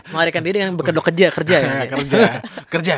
melarikan diri dengan bekerja kerja ya